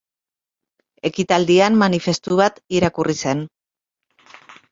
Ekitaldian, manifestu bat irakurri zen.